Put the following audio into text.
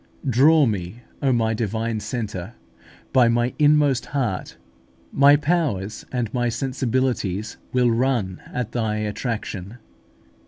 4). Draw me, O my Divine Centre, by my inmost heart: my powers and my sensibilities will run at Thy attraction!